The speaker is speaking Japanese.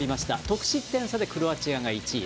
得失点差でクロアチアが１位。